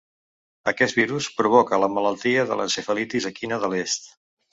Aquest virus provoca la malaltia de l'encefalitis equina de l'est.